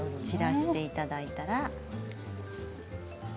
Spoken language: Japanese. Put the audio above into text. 散らしていただいたら。